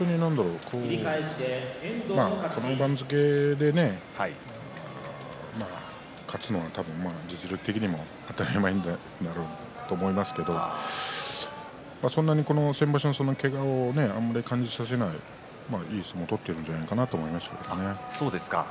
まあこの番付で勝つのは実力的には当たり前なんだと思いますが先場所のけがをあんまり感じさせないいい相撲を取っているかなと思いますね。